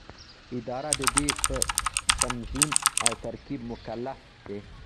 اداره د دې په تنظیم او ترتیب مکلفه ده.